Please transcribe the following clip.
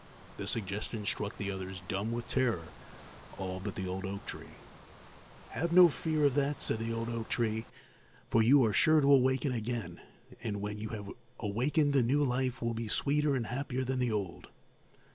The suggestion struck the others dumb with terror, all but the old oak tree. "Have no fear of that," said the old oak tree, "for you are sure to awaken again, and when you have awakened the new life will be sweeter and happier than the old."